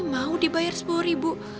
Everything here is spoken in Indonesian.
mau dibayar sepuluh ribu